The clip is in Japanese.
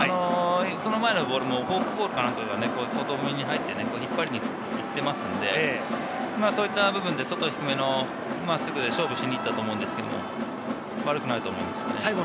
その前のボールもフォークボールなんかが外目に入って行っていますので、そういった部分で外低めの真っすぐで勝負しに行ったと思うんですけど、悪くないと思います。